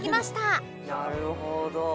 「なるほど」